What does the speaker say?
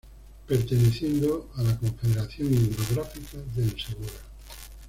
Perteneciendo a la Confederación Hidrográfica del Segura.